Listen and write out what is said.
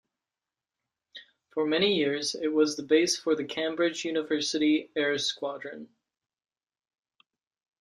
For many years it was the base for the Cambridge University Air Squadron.